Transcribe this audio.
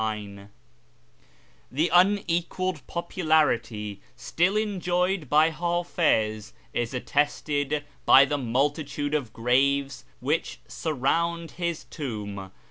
i The unequalled popularity still enjoyed by Hafiz is attested by the multitude of graves which surround his tomb.